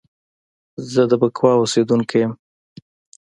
زه د بکواه اوسیدونکی یم